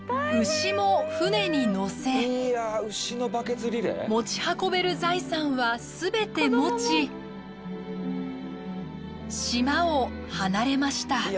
牛も船に乗せ持ち運べる財産は全て持ち島を離れました。